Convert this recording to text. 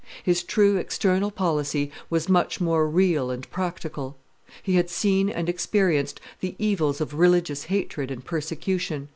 His true external policy was much more real and practical. He had seen and experienced the evils of religious hatred and persecution.